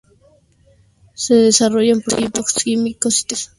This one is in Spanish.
Se desarrollaron productos químicos y textiles, así como los bancos.